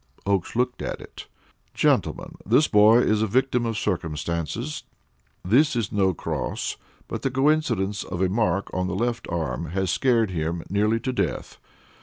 Oakes looked at it. "Gentlemen, this boy is a victim of circumstances. This is no cross, but the coincidence of a mark on the left arm has scared him nearly to death.